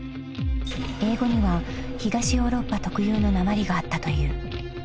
［英語には東ヨーロッパ特有のなまりがあったという］